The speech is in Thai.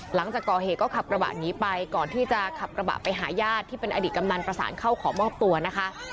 หลังจากก่อเหตุก็ขับกระบะหนีไปก่อนที่จะขับกระบะไปหาญาติที่เป็นอดีตกำนันประสานเข้าขอมอบตัวนะคะ